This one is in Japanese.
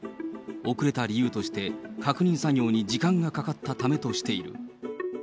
遅れた理由として、確認作業に時間がかかったためとしている。